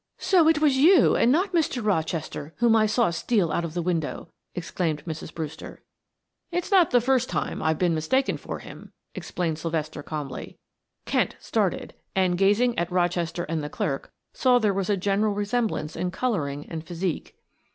"So it was you and not Mr. Rochester whom I saw steal out of the window," exclaimed Mrs. Brewster. "It's not the first time I've been mistaken for him," exclaimed Sylvester calmly. Kent started and, gazing at Rochester and the clerk, saw there was a general resemblance in coloring and physique.